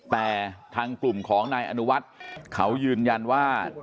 แต่ทางกลุ่มของนายอนุวัฒน์เขายืนยันว่า